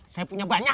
saya punya banyak